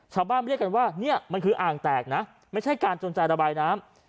เรียกกันว่าเนี่ยมันคืออ่างแตกนะไม่ใช่การจนใจระบายน้ำ